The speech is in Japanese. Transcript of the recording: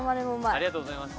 ありがとうございます。